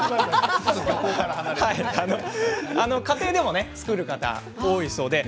家庭でも作る方多いそうです。